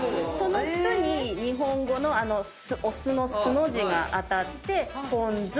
その「ス」に日本語のお酢の「酢」の字が当たってぽん